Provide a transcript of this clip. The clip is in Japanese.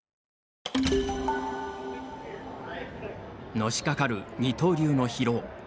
のしかかる二刀流の疲労。